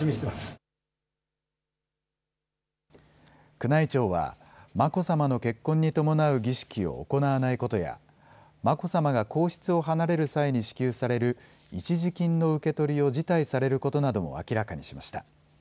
宮内庁は、眞子さまの結婚に伴う儀式を行わないことや、眞子さまが皇室を離れる際に支給される一時金の受け取りを辞退されることなども明らかにしました。